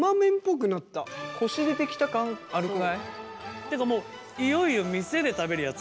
ってかもういよいよ店で食べるやつ。